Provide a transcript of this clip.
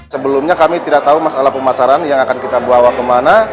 sebelumnya kami tidak tahu masalah pemasaran yang akan kita bawa kemana